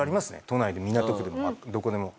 都内で港区でもどこでも。